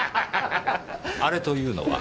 「あれ」というのは？